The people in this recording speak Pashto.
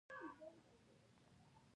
هسې یې ټانټه کړه.